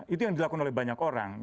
itu yang dilakukan oleh banyak orang